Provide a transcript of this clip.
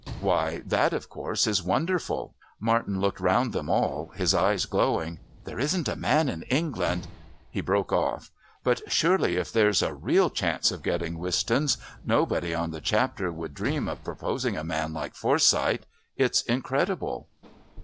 "Why, that, of course, is wonderful!" Martin looked round upon them all, his eyes glowing. "There isn't a man in England " He broke off. "But surely if there's a real chance of getting Wistons nobody on the Chapter would dream of proposing a man like Forsyth. It's incredible!"